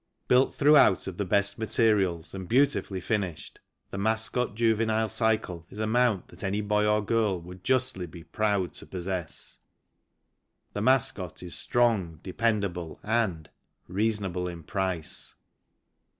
Built throughout of the best materials, and beautifully finished, the MASCOT Juvenile Cycle is a mount that any boy or girl would justly be proud to possess. The MASCOT is strong, dependable and reasonable in price.